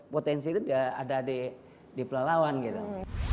potensi itu ada di pelawan lawan